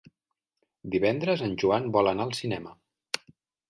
Divendres en Joan vol anar al cinema.